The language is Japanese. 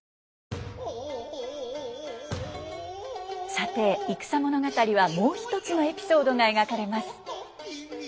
さて戦物語はもう一つのエピソードが描かれます。